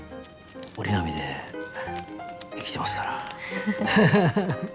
折り紙で生きてますから。